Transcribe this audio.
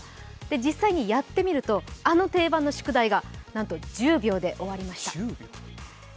実際にやってみると、あの定番の宿題がなんと１０秒で終わりました。